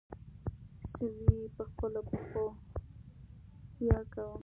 سوی په خپلو پښو ویاړ کاوه.